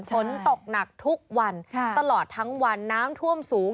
ฝนตกหนักทุกวันตลอดทั้งวันน้ำท่วมสูง